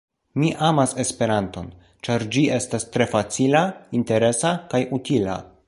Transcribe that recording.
Mi amas Esperanton, ĉar ĝi estas tre facila, interesa kaj utila.